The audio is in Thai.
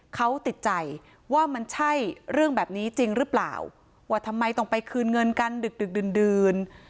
เขาติดใจว่ามันใช่เรื่องแบบนี้จริงหรือเปล่าว่าทำไมต้องไปคืนเงินกันดึกดึกดื่น